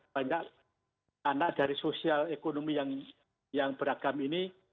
banyak anak dari sosial ekonomi yang beragam ini